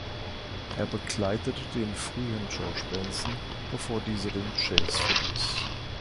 Er begleitete den frühen George Benson, bevor dieser den Jazz verließ.